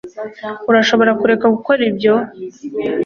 urashobora kureka gukora ibyo